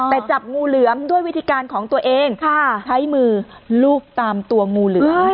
แต่จับงูเหลือมด้วยวิธีการของตัวเองใช้มือลูบตามตัวงูเหลือม